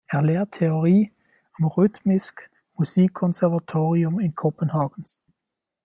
Er lehrt Theorie am Rytmisk Musikkonservatorium in Kopenhagen.